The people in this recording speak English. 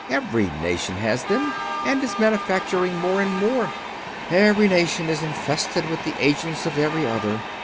Every nation has them, and is manufacturing more and more. Every nation is infested with the agents of every other.